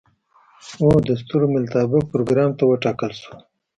او د ستورملتابه پروګرام ته وټاکل شوه.